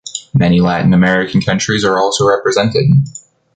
Many Latin American countries are also represented.